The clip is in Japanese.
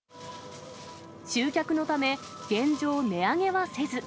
集客のため、現状、値上げはせず。